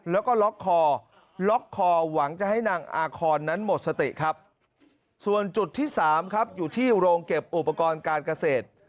แล้วก็ล็อกคอล็อกคอหวังจะให้นางอาคอนนั้นหมดสติครับส่วนจุดที่สามครับอยู่ที่โรงเก็บอุปกรณ์การเกษตร